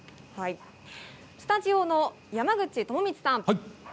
スタジオの山口智充さん！